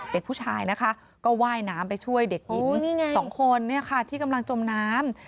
เด็กผู้ชายนะคะก็ว่ายน้ำไปช่วยเด็กหญิง๒คนที่กำลังจมน้ำ